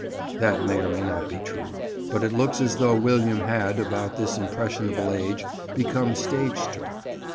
That may or may not be true, but it looks as though William had, about this impressionable age, become stage struck.